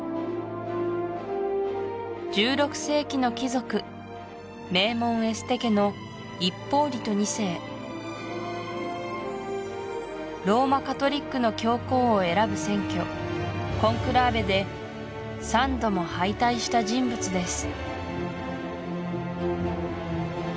１６世紀の貴族名門エステ家のローマカトリックの教皇を選ぶ選挙コンクラーベで３度も敗退した人物です